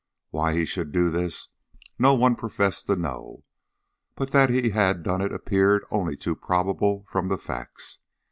Why he should do this no one professed to know, but that he had done it appeared only too probable from the facts.